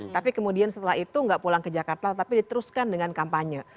tapi kemudian setelah itu nggak pulang ke jakarta tapi diteruskan dengan kampanye